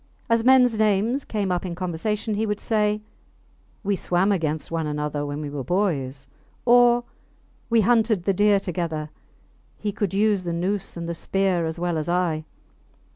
As mens names came up in conversation he would say, We swam against one another when we were boys; or, We hunted the deer together he could use the noose and the spear as well as I.